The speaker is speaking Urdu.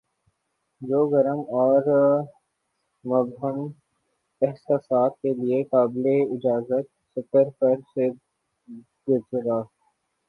جو گرم اور مبہم احساسات کے لیے قابلِاجازت سطر پر سے گزرا